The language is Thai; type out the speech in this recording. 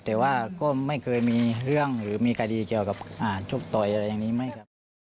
แต่ว่าก็ไม่เคยมีเรื่องหรือมีคดีเกี่ยวกับชกต่อยอะไรอย่างนี้ไม่ครับ